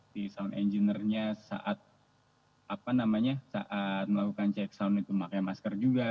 di sound engineernya saat apa namanya saat melakukan check sound itu memakai masker juga